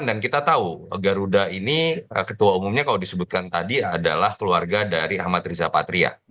dan kita tahu garuda ini ketua umumnya kalau disebutkan tadi adalah keluarga dari ahmad rizal patria